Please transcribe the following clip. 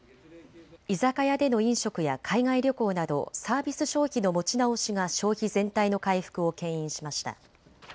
居酒屋での飲食や海外旅行などサービス消費の持ち直しが消費全体の回復をけん引しました。